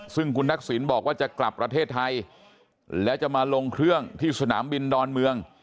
ซึ่งคุณทักษิณบอกว่าจะกลับประเทศไทยแล้วจะมาลงเครื่องที่สนามบินดอนเมือง